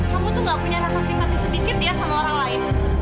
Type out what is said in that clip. kamu tuh gak punya rasa simpatis sedikit ya sama orang lain